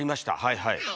はいはい。